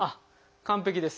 完璧です。